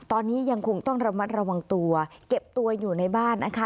ตอนนี้ยังคงต้องระมัดระวังตัวเก็บตัวอยู่ในบ้านนะคะ